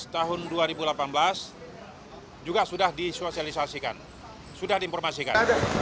satu lima belas tahun dua ribu delapan belas juga sudah disosialisasikan sudah diinformasikan